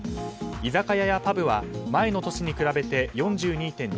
居酒屋やパブは前の年に比べて４２．２％